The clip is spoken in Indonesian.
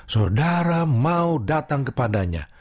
saudara mau datang kepadanya